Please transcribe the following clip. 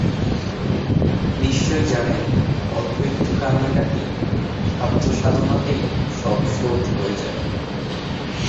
নিশ্চয় জানেন, অল্প একটু কান্নাকাটি-সাধ্যসাধনাতেই সব শোধ হয়ে যাবে।